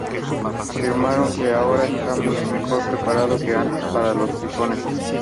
Afirmaron que ahora están mucho mejor preparados que antes para los tifones.